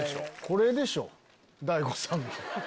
これでしょ大悟さん。